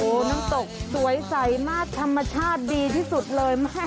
น้ำตกสวยใสมากธรรมชาติดีที่สุดเลย